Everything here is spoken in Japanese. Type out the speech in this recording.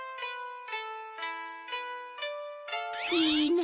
いいな